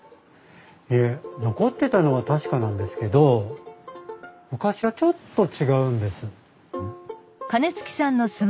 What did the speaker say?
いえ残ってたのは確かなんですけど昔はちょっと違うんです。